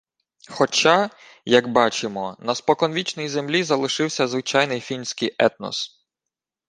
Хоча, як бачимо, на споконвічній землі залишився звичайний фінський етнос